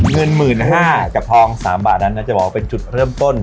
เงินหมื่นห้ากับทองสามบาทนั้นน่าจะบอกว่าเป็นจุดเริ่มต้น